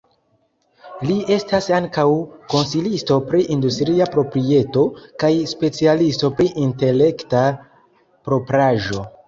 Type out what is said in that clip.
Li estas ankaŭ konsilisto pri industria proprieto, kaj specialisto pri Intelekta propraĵo.